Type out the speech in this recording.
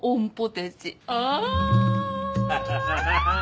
ハハハハハ。